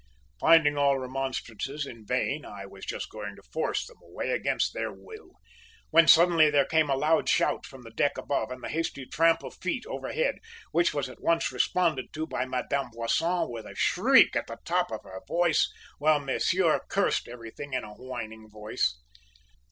"Finding all remonstrances in vain, I was just going to force them away against their will, when suddenly there came a loud shout from the deck above, and the hasty tramp of feet overhead, which was at once responded to by Madame Boisson with a shriek at the top of her voice, while monsieur cursed everybody in a whining voice.